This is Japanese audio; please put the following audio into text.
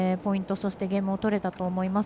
そしてゲームを取れたと思います。